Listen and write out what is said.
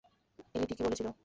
এলি ঠিকই বলেছিল।